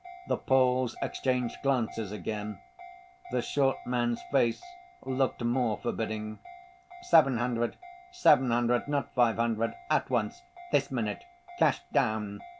The Poles exchanged glances again. The short man's face looked more forbidding. "Seven hundred, seven hundred, not five hundred, at once, this minute, cash down!"